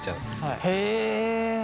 へえ！